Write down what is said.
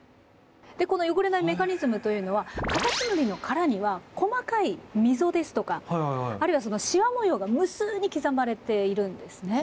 でこの汚れないメカニズムというのはカタツムリの殻には細かい溝ですとかあるいはシワ模様が無数に刻まれているんですね。